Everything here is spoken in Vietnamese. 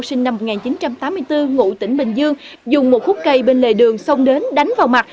sinh năm một nghìn chín trăm tám mươi bốn ngụ tỉnh bình dương dùng một khúc cây bên lề đường xông đến đánh vào mặt